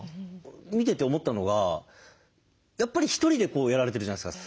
見てて思ったのがやっぱりひとりでやられてるじゃないですか。